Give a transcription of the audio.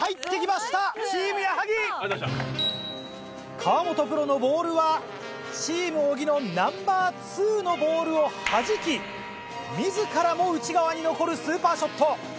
河本プロのボールはチーム小木のナンバー２のボールをはじき自らも内側に残るスーパーショット。